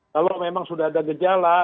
kalau memang sudah ada gejala